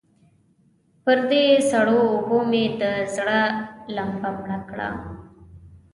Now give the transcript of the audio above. پر دې سړو اوبو مې د زړه لمبه مړه کړه.